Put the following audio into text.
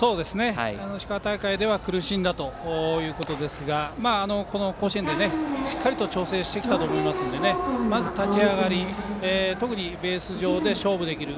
石川大会では苦しんだということですがこの甲子園でしっかり調整してきたと思いますのでまず立ち上がり、特にベース上で勝負で来る。